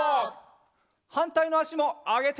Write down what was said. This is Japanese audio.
はんたいのあしもあげて！